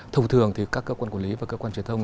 thông thường thì các cơ quan quản lý và cơ quan truyền thông